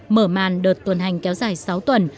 mở màn đợt tuần hành kéo dài sáu tuần